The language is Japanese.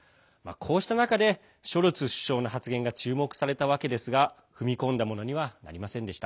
こうした中でショルツ首相の発言が注目されたわけですが踏み込んだものにはなりませんでした。